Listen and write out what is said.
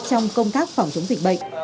trong công tác phòng chống dịch bệnh